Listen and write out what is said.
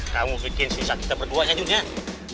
kamu bikin susah kita berduanya jujur ya